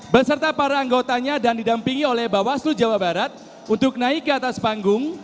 beserta para anggotanya dan didampingi oleh bawaslu jawa barat untuk naik ke atas panggung